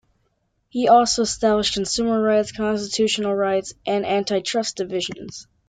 He also established Consumer Rights, Constitutional Rights, and Antitrust divisions.